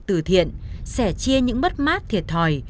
từ thiện sẻ chia những bất mát thiệt thòi